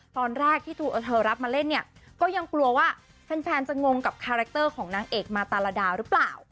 ตอนแรกที่เธอรับมาเล่นเนี่ยก็ยังกลัวว่าแฟนจะงงกับคาแรคเตอร์ของนางเอกมาตาลาดาหรือเปล่า